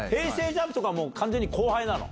ＪＵＭＰとかは完全に後輩なの？